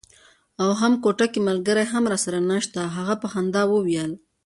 او هم کوټه ملګری هم راسره نشته. هغه په خندا وویل.